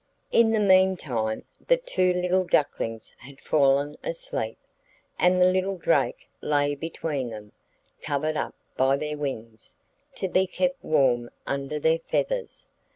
In the meantime the two little ducklings had fallen asleep, and the little drake lay between them, covered up by their wings, to be kept warm under their feathers.